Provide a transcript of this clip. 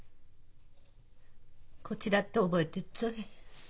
こっちだって覚えてっつおい。